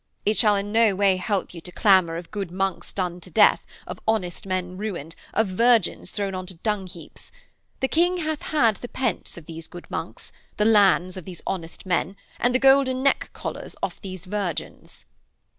It shall in no way help you to clamour of good monks done to death, of honest men ruined, of virgins thrown on to dung heaps. The King hath had the pence of these good monks, the lands of these honest men, and the golden neck collars off these virgins.'